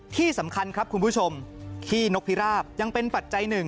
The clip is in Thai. ที่สำคัญครับคุณผู้ชมขี้นกพิราบยังเป็นปัจจัยหนึ่ง